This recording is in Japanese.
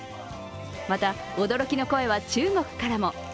また驚きの声は中国からも。